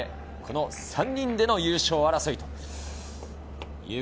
３人での優勝争い。